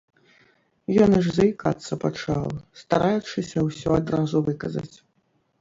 Ён аж заікацца пачаў, стараючыся ўсё адразу выказаць.